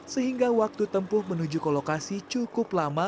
sehingga waktu tempuh menuju kolokasi cukup lama